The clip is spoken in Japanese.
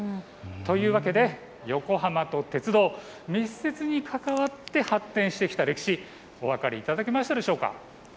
というわけで横浜と鉄道、密接に関わって発展してしてきた歴史、お分かりいただけましたでしょうか。